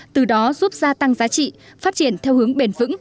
từ đó giúp gia tăng giá trị phát triển theo hướng bền vững